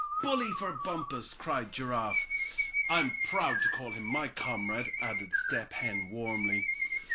"Bully for Bumpus," cried Giraffe. "I'm proud to call him my comrade," added Step Hen, warmly.